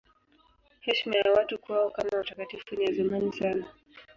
Heshima ya watu kwao kama watakatifu ni ya zamani sana.